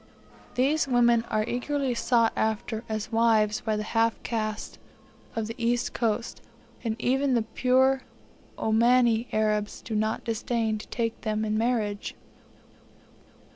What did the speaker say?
These women are eagerly sought after as wives by the half castes of the East Coast, and even the pure Omani Arabs do not disdain to take them in marriage.